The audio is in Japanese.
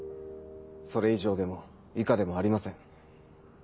それ以上でも以下でもありません。